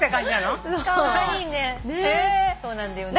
そうなんだよね。